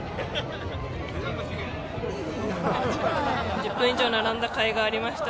１０分以上並んだ甲斐がありました。